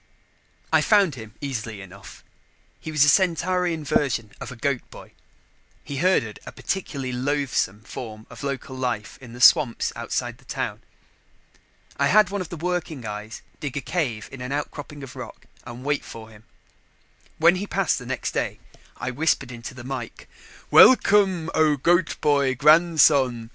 I found him easily enough. He was the Centaurian version of a goat boy he herded a particularly loathsome form of local life in the swamps outside the town. I had one of the working eyes dig a cave in an outcropping of rock and wait for him. When he passed next day, I whispered into the mike: "Welcome, O Goat boy Grandson!